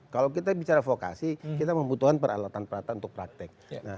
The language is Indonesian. kalau kita bicara vokasi kita membutuhkan peralatan peralatan untuk praktek